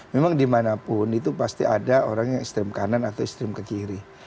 memang di mana pun itu pasti ada orang yang ekstrem kanan atau ekstrem ke kiri